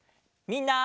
みんな！